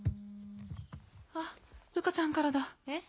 あっルカちゃんからだ。え？